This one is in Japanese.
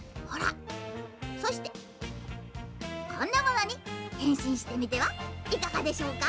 「そしてこんなものにへんしんしてみてはいかがでしょうか？」。